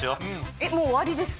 えっもう終わりです。